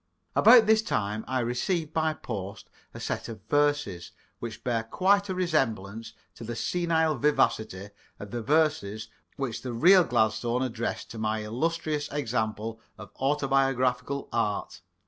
About this time I received by post a set of verses which bear quite a resemblance to the senile vivacity of the verses which the real Gladstone addressed to my illustrious example of autobiographical art.